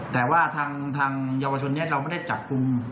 แต่ว่าทางยาวชนเนี่ยเราไม่ได้จับคุม